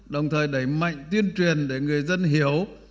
đồng thời đẩy mạnh tuyên truyền để người dân hiểu